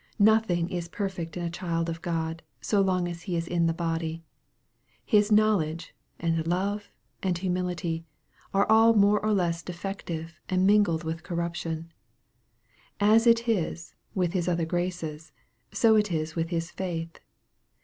Nothing is perfect in a child of God, so long as he is in the body. His know ledge, and love, and humility, are all more or less de fective, and mingled with corruption. And as it is with his othe,r graces, so it is with his faith.